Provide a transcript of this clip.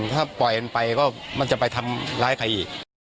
ถ้าปล่อยมันไปก็มันจะไปทำร้ายใครอีก